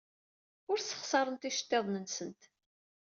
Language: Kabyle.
Ur ssexṣarent iceḍḍiḍen-nsent.